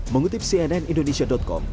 mengutip cnn indonesia com